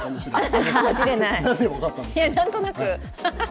何となく。